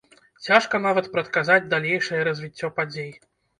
Цяжка нават прадказаць далейшае развіццё падзей.